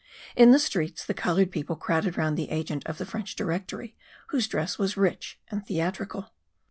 In the streets the coloured people crowded round the agent of the French Directory, whose dress was rich and theatrical.